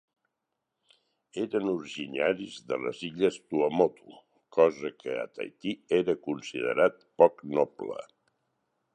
Eren originaris de les illes Tuamotu, cosa que a Tahití era considerat poc noble.